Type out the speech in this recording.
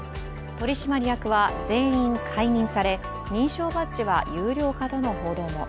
取締役は全員解任され認証バッジは有料化との報道も。